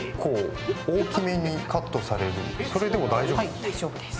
はい大丈夫です。